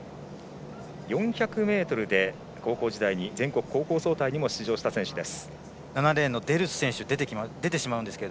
４００ｍで高校時代に全国高校総体にも出場した選手です。